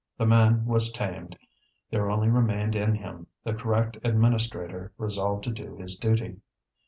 The man was tamed; there only remained in him the correct administrator resolved to do his duty.